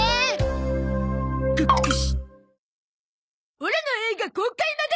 オラの映画公開まで。